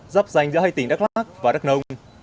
dập dành giữa hai tỉnh đắk lắc và đắk nông